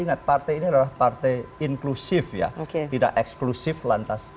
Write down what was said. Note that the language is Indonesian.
ingat partai ini adalah partai inklusif ya tidak eksklusif lantas